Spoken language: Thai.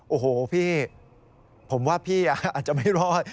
โอ้โหพี่ผมว่าพี่อาจจะไม่รอด